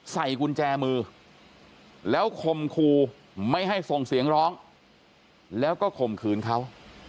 ใส่กุญแจมือแล้วคมคูไม่ให้ส่งเสียงร้องแล้วก็ข่มขืนเขา